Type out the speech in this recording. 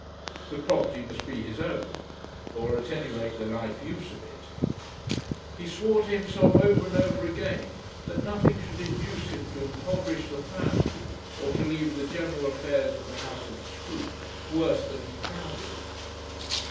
The property must be his own, or at any rate the life use of it. He swore to himself over and over again that nothing should induce him to impoverish the family or to leave the general affairs of the house of Scroope worse than he found them.